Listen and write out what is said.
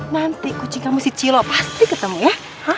nanti kucing kamu si cilo pasti ketemu ya